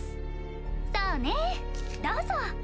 そうねどうぞ。